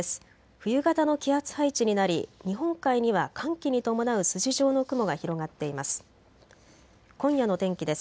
冬型の気圧配置になり日本海には寒気に伴う筋状の雲が広がっています。